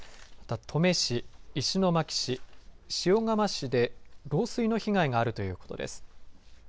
登米市、石巻市塩釜市で漏水の被害があるということです。